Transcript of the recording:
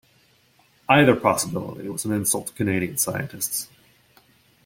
Either possibility was an insult to Canadian scientists.